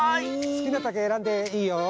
すきなたけえらんでいいよ。